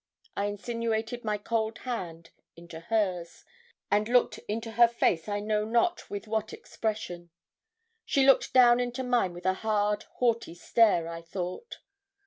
I insinuated my cold hand into hers, and looked into her face I know not with what expression. She looked down into mine with a hard, haughty stare, I thought.